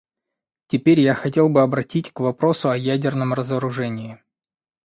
Теперь я хотел бы обратить к вопросу о ядерном разоружении.